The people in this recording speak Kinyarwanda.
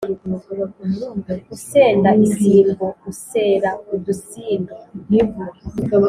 Usenda isimbo usera udusindu.